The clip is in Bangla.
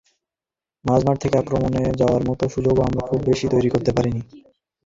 মাঝমাঠ থেকে আক্রমণে যাওয়ার মতো সুযোগও আমরা খুব বেশি তৈরি করতে পারিনি।